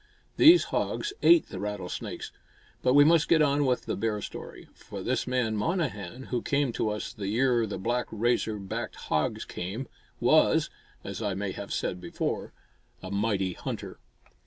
These hogs ate the rattlesnakes. But we must get on with the bear story; for this man Monnehan, who came to us the year the black, razor backed hogs came, was, as I may have said before, "a mighty hunter."